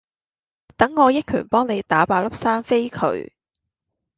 等我幫你一拳打爆粒生痱佢